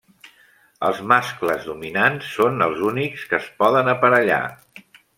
Els mascles dominants són els únics que es poden aparellar.